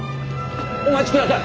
お待ちください！